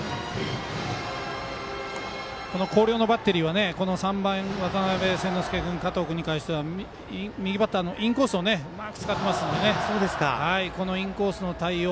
広陵のバッテリーは３番、渡邉千之亮君加藤君に対しては右バッターのインコースをうまく使ってますのでこのインコースの対応。